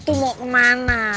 lu tuh mau kemana